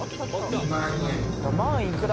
２万円。